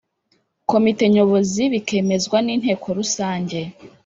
Komite nyobozi bikemezwa n inteko rusange